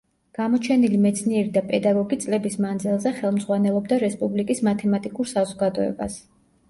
გამოჩენილი მეცნიერი და პედაგოგი წლების მანძილზე ხელმძღვანელობდა რესპუბლიკის მათემატიკურ საზოგადოებას.